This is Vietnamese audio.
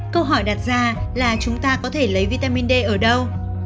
câu hỏi đặt ra là chúng ta có thể lấy vitamin d ở đâu